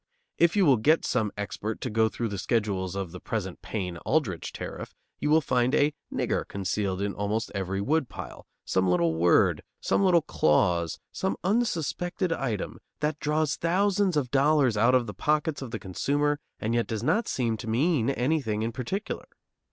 If you will get some expert to go through the schedules of the present Payne Aldrich tariff, you will find a "nigger" concealed in almost every woodpile, some little word, some little clause, some unsuspected item, that draws thousands of dollars out of the pockets of the consumer and yet does not seem to mean anything in particular.